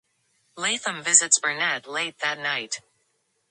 Latham visits Burnett late that night.